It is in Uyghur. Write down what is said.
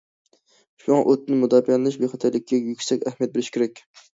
شۇڭا ئوتتىن مۇداپىئەلىنىش بىخەتەرلىكىگە يۈكسەك ئەھمىيەت بېرىش كېرەك.